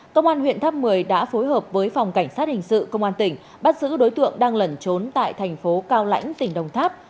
công an huyện tháp một mươi đã phối hợp với phòng cảnh sát hình sự công an tỉnh bắt giữ đối tượng đang lẩn trốn tại thành phố cao lãnh tỉnh đồng tháp